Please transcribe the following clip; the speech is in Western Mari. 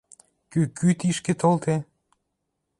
Кӱ-кӱ тишкӹ толде?